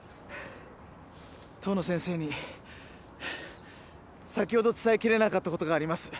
遠野先生に先ほど伝えきれなかった事があります。